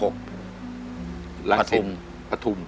ประทุม